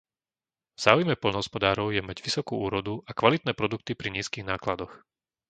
V záujme poľnohospodárov je mať vysokú úrodu a kvalitné produkty pri nízkych nákladoch.